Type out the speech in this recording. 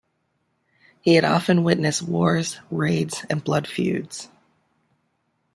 He had often witnessed wars, raids, and blood-feuds.